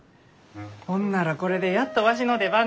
ほんならこれでやっとわしの出番じゃのう。